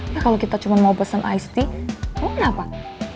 ya kalau kita cuma mau pesan ais tea gimana pak